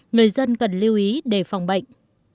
người dân cần lưu ý để phòng bệnh